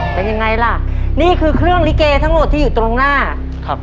เป็นยังไงล่ะนี่คือเครื่องลิเกทั้งหมดที่อยู่ตรงหน้าครับ